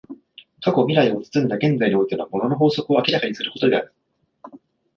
過去未来を包んだ現在においての物の法則を明らかにすることである。